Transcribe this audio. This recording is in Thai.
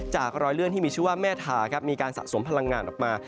รอยเลื่อนที่มีชื่อว่าแม่ทาครับมีการสะสมพลังงานออกมา